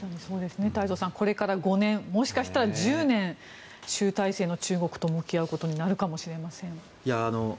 太蔵さん、これから５年もしかしたら１０年習体制の中国と向き合うことになるかもしれません。